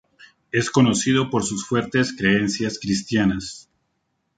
Es conocido por sus fuertes creencias cristianas.